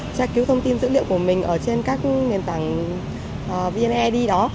tra cứu thông tin dữ liệu của mình ở trên các nền tảng vneid đó